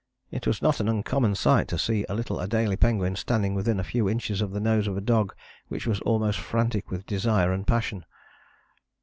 It was not an uncommon sight to see a little Adélie penguin standing within a few inches of the nose of a dog which was almost frantic with desire and passion.